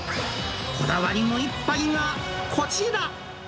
こだわりの一杯がこちら。